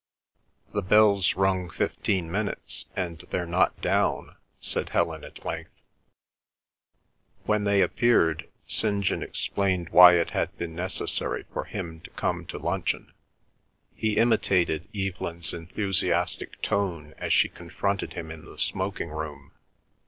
"The bell's run fifteen minutes and they're not down," said Helen at length. When they appeared, St. John explained why it had been necessary for him to come to luncheon. He imitated Evelyn's enthusiastic tone as she confronted him in the smoking room.